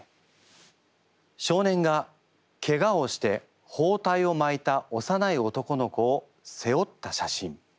少年がケガをして包帯をまいたおさない男の子を背負った写真。